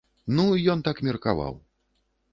Ну, ён так меркаваў.